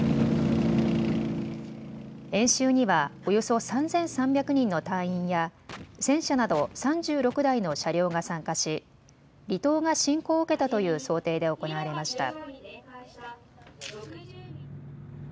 演習にはおよそ３３００人の隊員や戦車など３６台の車両が参加し離島が侵攻を受けたという想定で行われました。